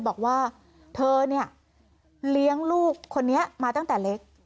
บอกว่าเธอเนี่ยเลี้ยงลูกคนนี้มาตั้งแต่เล็ก